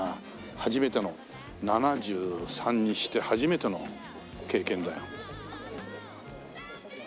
初めての７３にして初めての経験だよ。